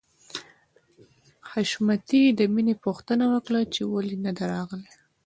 حشمتي د مینې پوښتنه وکړه چې ولې نده راغلې